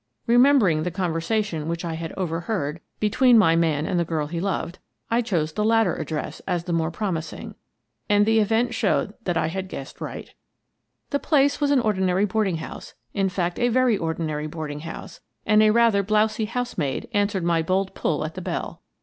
Remembering the conversation which I had overheard between my man and the 89 90 Miss Frances Baird, Detective girl he loved, I chose the latter address as the more promising, and the event showed that I had guessed right * The place was an ordinary boarding house, — in fact, a very ordinary boarding house, — and a rather blowsy housemaid answered my bold pull at the bell.